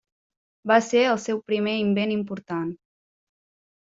Va ser el seu primer invent important.